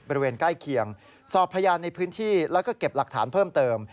บริเวณใกล้เคียงสอบพยานในพื้นที่แล้วก็เก็บหลักฐานเพิ่มเติม